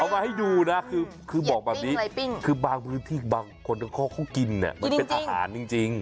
มาให้ดูนะคือบอกแบบนี้คือบางพื้นที่บางคนเขากินเนี่ยมันเป็นอาหารจริง